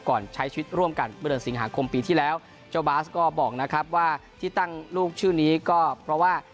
ใช้ชีวิตร่วมกันเมื่อเดือนสิงหาคมปีที่แล้วเจ้าบาสก็บอกนะครับว่าที่ตั้งลูกชื่อนี้ก็เพราะว่า